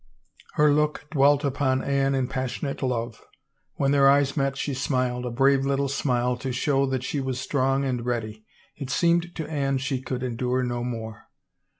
Her look dwelt upon Anne in passionate love ; when their eyes met she smiled, a brave little smile to show that she was strong and ready. It seemed to Anne she could endure no more.